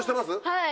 はい。